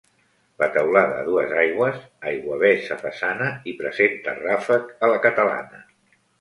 La teulada a dues aigües, aiguavés a façana, i presenta ràfec a la catalana.